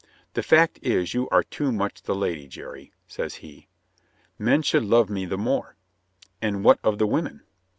"The fact is, you are too much the lady, Jerry," says he. "Men should love me the more." "And what of the women?"